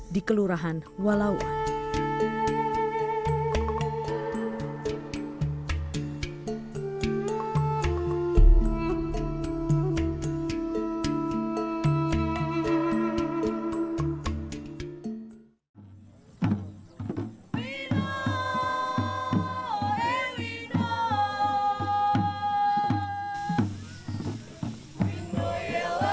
di kelurahan walauan